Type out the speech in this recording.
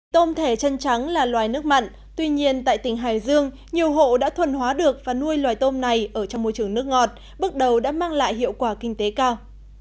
tôm thẻ chân trắng là loài nước mặn tuy nhiên tại tỉnh hải dương nhiều hộ đã thuần hóa được và nuôi loài tôm này ở trong môi trường nước ngọt bước đầu đã mang lại hiệu quả kinh tế cao